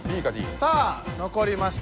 さあのこりました！